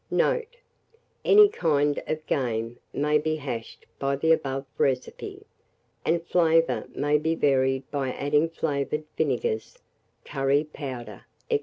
Note. Any kind of game may be hashed by the above recipe, and the flavour may be varied by adding flavoured vinegars, curvy powder, &c.